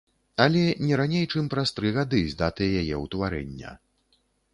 Але не раней чым праз тры гады з даты яе ўтварэння.